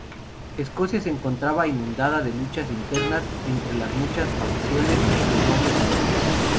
Escocia se encontraba inundada de luchas internas entre las muchas facciones de nobles familias.